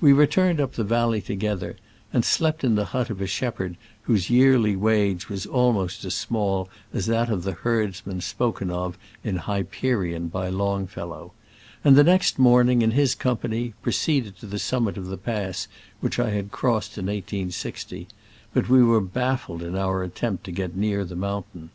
We returned up the val ley together, and slept in the hut of a shepherd whose yearly wage was almost as small as that of the herdsman spoken of in Hyperion by Longfellow ; and the next morning, in his company, proceed ed to the summit of the pass which I had crossed in i860; but we weire baf fled in our attempt to get near the moun tain.